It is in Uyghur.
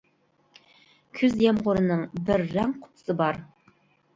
كۈز يامغۇرىنىڭ بىر رەڭ قۇتىسى بار.